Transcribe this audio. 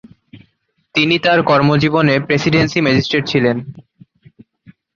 তিনি তার কর্মজীবনে প্রেসিডেন্সী ম্যাজিস্ট্রেট ছিলেন।